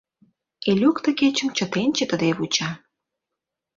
Элюк ты кечым чытен-чытыде вуча.